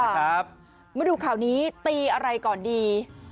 มาดูข่าวนี้ตีอะไรก่อนดี